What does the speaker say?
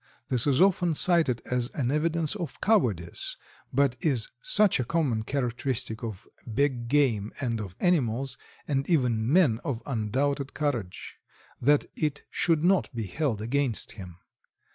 This is often cited as an evidence of cowardice, but is such a common characteristic of big game and of animals, and even men of undoubted courage, that it should not be held against him.